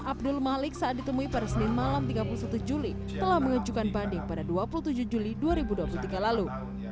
abdul malik saat ditemui pada senin malam tiga puluh satu juli telah mengajukan banding pada dua puluh tujuh juli dua ribu dua puluh tiga lalu